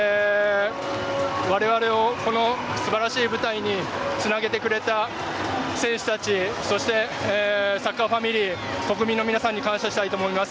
われわれをこの素晴らしい舞台につなげてくれた選手たちそしてサッカーファミリー国民の皆さんに感謝したいと思います。